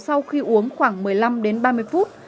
sau khi uống khoảng một mươi năm đến ba mươi phút